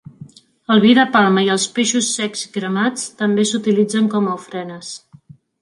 El vi de palma i els peixos secs i cremats també s'utilitzen com a ofrenes.